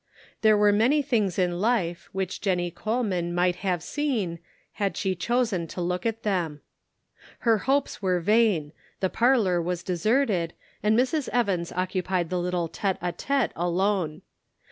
There were many things in life, which Jennie Coleman might have seen had she chosen to look at them. Her hopes were vain, the parlor was deserted, and Mrs. Evans occupied the little tete a tete alone.